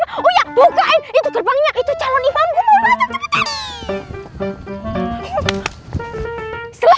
oh iya bukain itu gerbangnya itu calon imam gua mau lanjut cepetan